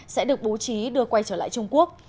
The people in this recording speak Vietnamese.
sẽ được bố trí đưa quay trở lại trung quốc